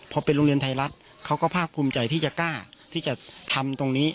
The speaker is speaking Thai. พอเป็นโรงเรียนไทยรัฐเขาก็ภาคภูมิใจที่จะกล้าที่จะทำตรงนี้